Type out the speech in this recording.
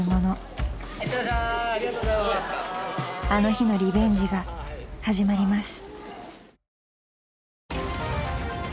［あの日のリベンジが始まります］